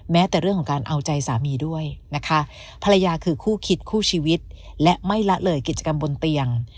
แม้แต่เรื่องของการเอาใจสามีด้วยนะคะภรรยาคือคู่คิดคู่ชีวิตและไม่ละเลยกิจกรรมบนเตียง